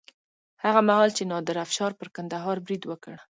هغه مهال چې نادر افشار پر کندهار برید وکړ.